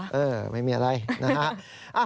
เออไม่มีอะไรนะฮะ